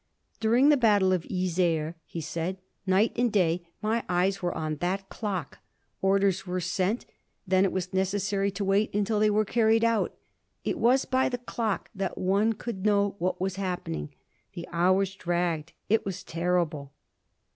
"During the battle of the Yser," he said, "night and day my eyes were on that clock. Orders were sent. Then it was necessary to wait until they were carried out. It was by the clock that one could know what should be happening. The hours dragged. It was terrible."